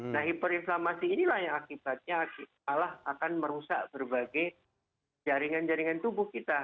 nah hiperinflamasi inilah yang akibatnya malah akan merusak berbagai jaringan jaringan tubuh kita